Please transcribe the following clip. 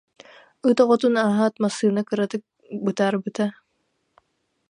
Ыт оҕотун ааһаат массыына кыратык бытаарбыта